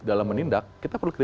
dalam menindak kita perlu kira kira